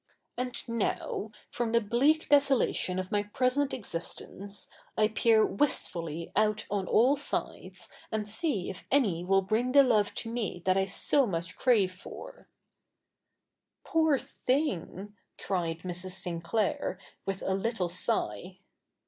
" And now, fro?n the bleak desolation of my present existe7ice, I peer ivistfully out on all sides, and see if any will bring the love to 77ie that I so 77iuch C7'ave forP '' Poor thing !' said Mrs. Sinclair, with a little sigh.